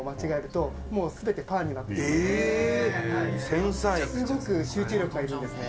前澤さん：すごく集中力がいるんですね。